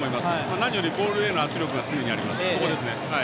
何よりもボールへの圧力が常にあります。